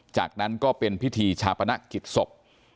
จากนั้นก็เป็นพิธีชาปนกิจศพ